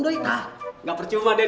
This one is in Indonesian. nah gak percuma den